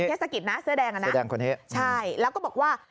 เทศกิจนะเสื้อแดงอ่ะนะเสื้อแดงคนนี้ใช่แล้วก็บอกว่า